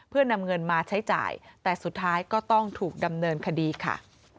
เพื่อนำเงินมาใช้จ่ายแต่สุดท้ายก็ต้องถูกดำเนินคดีค่ะ